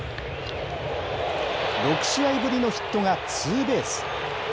６試合ぶりのヒットがツーベース。